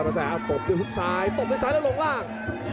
อ้าวตบคุณสายตบไว้ซ้ายแล้วลงล่ัง